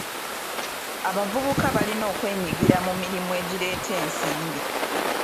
Abavubuka balina okwenyigira mu mirimu egireeta ensimbi.